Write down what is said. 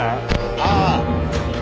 ああ！